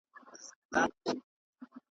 زوی یې غوښتی خیر یې نه غوښتی